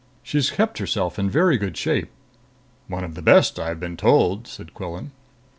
She's kept herself in very good shape." "One of the best, I've been told," said Quillan.